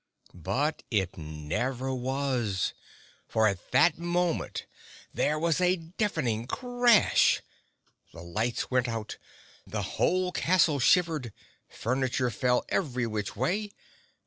But it never was, for at that moment there was a deafening crash. The lights went out; the whole castle shivered; furniture fell every which way.